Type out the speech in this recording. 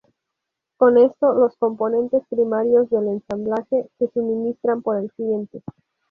Con esto, los componentes primarios del ensamblaje se suministran por el cliente.